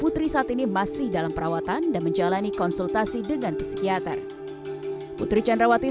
putri saat ini masih dalam perawatan dan menjalani konsultasi dengan psikiater putri candrawati